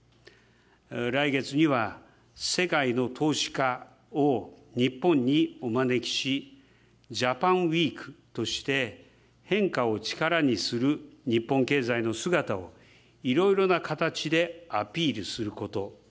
来月には、世界の投資家を日本にお招きし、ジャパン・ウィークとして変化を力にする日本経済の姿をいろいろな形でアピールすること。